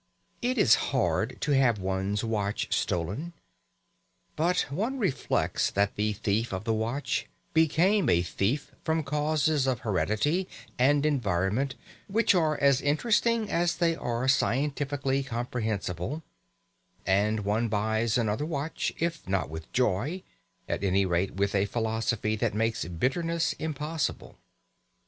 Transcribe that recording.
It is hard to have one's watch stolen, but one reflects that the thief of the watch became a thief from causes of heredity and environment which are as interesting as they are scientifically comprehensible; and one buys another watch, if not with joy, at any rate with a philosophy that makes bitterness impossible.